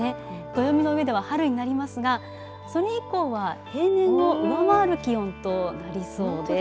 暦の上では春になりますがそれ以降は平年を上回る気温となりそうです。